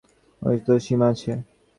কিন্তু মোতির মারও অশিক্ষিতপটুত্বের সীমা আছে।